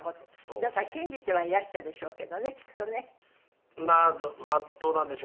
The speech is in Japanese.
だから信じてはいらしたでしょうけどね。